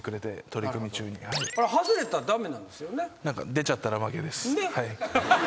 出ちゃったら負けです。